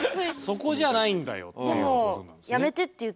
そこじゃないんだよっていうことなんですね。